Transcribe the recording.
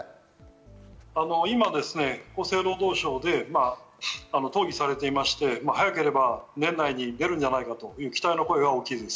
今、厚生労働省で討議されていまして早ければ年内に出るんじゃないかと期待の声が大きいです。